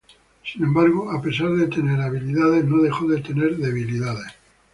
Sin embargo, a pesar de tener habilidades no dejó de tener debilidades.